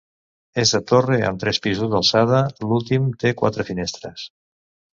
És de torre amb tres pisos d'alçada; l'últim té quatre finestres.